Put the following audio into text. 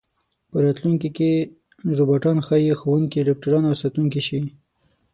په راتلونکي کې روباټان ښايي ښوونکي، ډاکټران او ساتونکي شي.